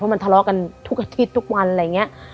มันทะเลาะกันทุกอาทิตย์ทุกวันอะไรอย่างนี้